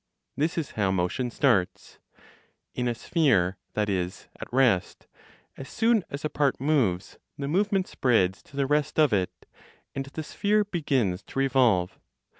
(This is how motion starts) in a sphere that is at rest: as soon as a part moves, the movement spreads to the rest of it, and the sphere begins to revolve.